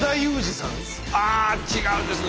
あ違うんですね。